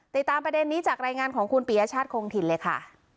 ติดตามประเด็นนี้จากรายงานของคุณปียชาติคงถิ่นเลยค่ะ